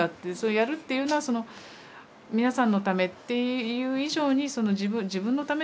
やるっていうのはその皆さんのためっていう以上に自分のためですよね。